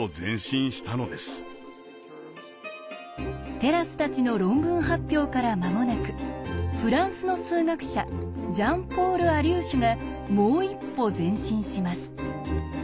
テラスたちの論文発表から間もなくフランスの数学者ジャン・ポール・アリューシュがもう一歩前進します。